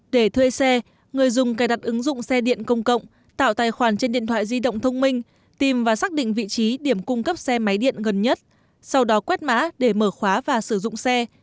để thuê xe người dùng cài đặt ứng dụng xe điện công cộng tạo tài khoản trên điện thoại di động thông minh tìm và xác định vị trí điểm cung cấp xe máy điện gần nhất sau đó quét mã để mở khóa và sử dụng xe